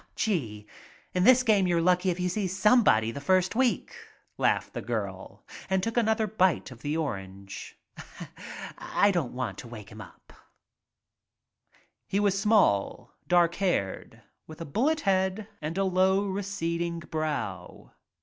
"Gee, in this game you're lucky if you see some body the first week," laughed the girl, and took an other bite of the orange. "I don't want to wake him." He was small, dark haired, with a bullet head and a low, receding brow.